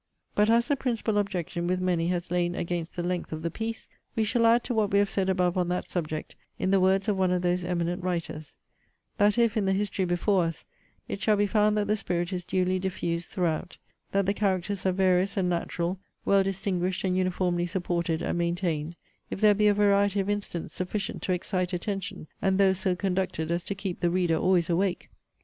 But as the principal objection with many has lain against the length of the piece, we shall add to what we have said above on that subject, in the words of one of those eminent writers: 'That if, in the history before us, it shall be found that the spirit is duly diffused throughout; that the characters are various and natural; well distinguished and uniformly supported and maintained; if there be a variety of incidents sufficient to excite attention, and those so conducted as to keep the reader always awake!